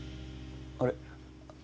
あれ？